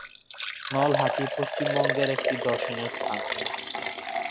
নলহাটি পশ্চিমবঙ্গের একটি দর্শনীয় স্থান।